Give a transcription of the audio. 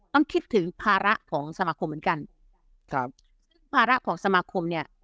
ต้องคิดถึงภาระของสมาคมเหมือนกันครับภาระของสมาคมเนี่ย